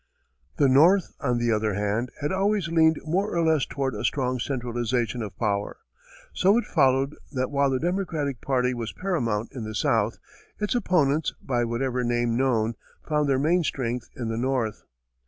The North, on the other hand, had always leaned more or less toward a strong centralization of power. So it followed that while the Democratic party was paramount in the South, its opponents, by whatever name known, found their main strength in the North.